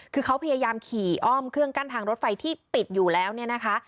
คือเขาพยายามขี่อ้อมเครื่องกั้นทางรถไฟที่ปิดอยู่แล้วเนี่ยนะคะ